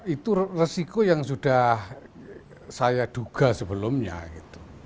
itu resiko yang sudah saya duga sebelumnya gitu